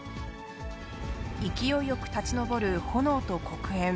勢いよく立ち上る炎と黒煙。